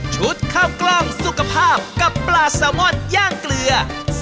ข้าวกล้องสุขภาพกับปลาแซลมอนย่างเกลือ